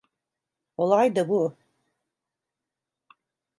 Olay da bu.